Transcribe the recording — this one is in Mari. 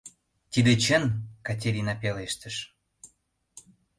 — Тиде чын, — Катерина пелештыш.